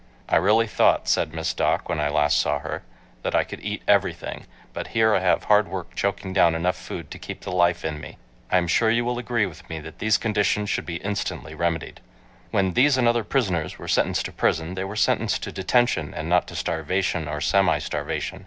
'I really thought,' said Miss Dock, when I last saw her, 'that I could eat everything, but here I have hard work choking down enough food to keep the life in me.' I am sure you will agree with me that these conditions should be instantly remedied. When these and other prisoners were sentenced to prison they were sentenced to detention and not to starvation or semi starvation.